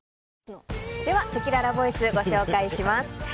せきららボイスご紹介します。